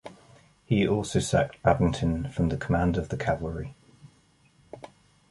He also sacked Babington from command of the cavalry.